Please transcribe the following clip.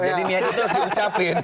jadi niatnya harus diucapin